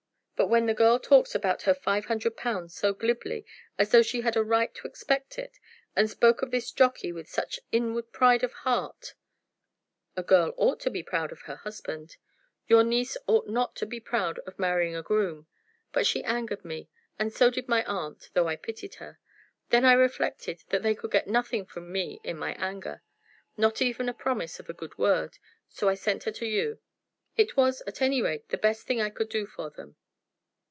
But when the girl talks about her five hundred pounds so glibly, as though she had a right to expect it, and spoke of this jockey with such inward pride of heart " "A girl ought to be proud of her husband." "Your niece ought not to be proud of marrying a groom. But she angered me, and so did my aunt, though I pitied her. Then I reflected that they could get nothing from me in my anger, not even a promise of a good word. So I sent her to you. It was, at any rate, the best thing I could do for them."